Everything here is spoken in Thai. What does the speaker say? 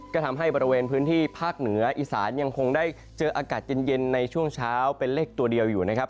ก็ทำให้บริเวณพื้นที่ภาคเหนืออีสานยังคงได้เจออากาศเย็นในช่วงเช้าเป็นเลขตัวเดียวอยู่นะครับ